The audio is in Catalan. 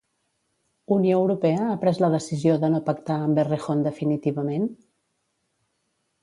Unió Europea ha pres la decisió de no pactar amb Errejón definitivament?